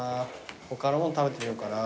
他のもん食べてみようかな。